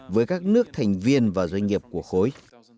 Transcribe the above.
với các nước thành viên và doanh nghiệp của khối